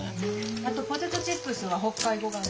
あとポテトチップスは北海こがね。